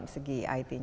segi it nya